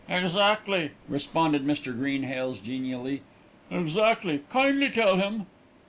"Exactly!" responded Mr. Greenhales genially. "Exactly! Kindly tell him."